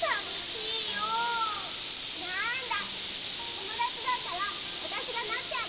ともだちだったらわたしがなってあげるよ。